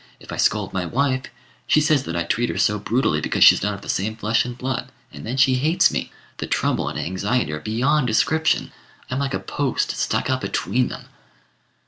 If I scold my wife, she says that I treat her so brutally because she's not of the same flesh and blood; and then she hates me. The trouble and anxiety are beyond description: I'm like a post stuck up between them."